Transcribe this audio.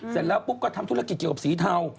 เสร็จแล้วปุ๊บก็ทำธุรกิจเกี่ยวกับสีเทา